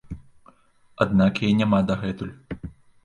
Аднак яе няма дагэтуль.